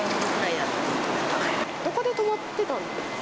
どこで止まってたんですか？